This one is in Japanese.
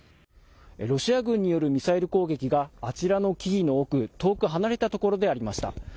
ロシア軍によるミサイル攻撃があちらの木々の奥、遠く離れたところでありました。